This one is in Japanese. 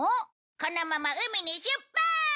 このまま海に出発！